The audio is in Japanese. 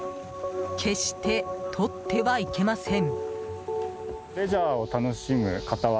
決して、とってはいけません。